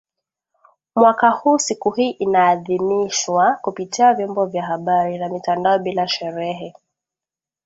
mwaka huu siku hii inaadhimishwa kupitia vyombo vya habari na mitandao bila sherehe